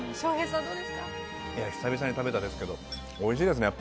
久々に食べたんですけどおいしいですね。